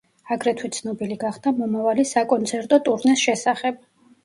აგრეთვე ცნობილი გახდა მომავალი საკონცერტო ტურნეს შესახებ.